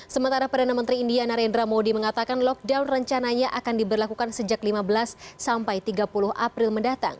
sementara perdana menteri india narendra modi mengatakan lockdown rencananya akan diberlakukan sejak lima belas sampai tiga puluh april mendatang